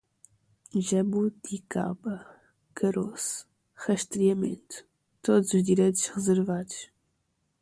Jabuticaba, caroço, rastreamento, todos os direitos reservados